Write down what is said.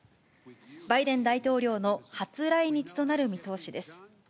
バイデン大統領の初来日となる見通しです。